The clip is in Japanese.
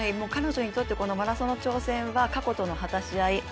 彼女にとってマラソンの挑戦は過去との果たし合い。